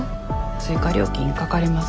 追加料金かかりますが。